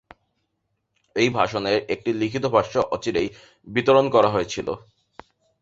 এই ভাষণের একটি লিখিত ভাষ্য অচিরেই বিতরণ করা হয়েছিল।